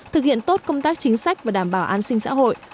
thực hiện tốt công tác chính sách và đảm bảo an sinh xã hội